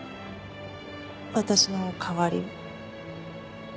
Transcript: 私の代わりを？